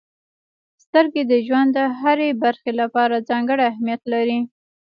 •سترګې د ژوند د هرې برخې لپاره ځانګړې اهمیت لري.